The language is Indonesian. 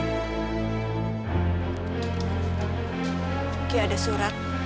oh ki ada surat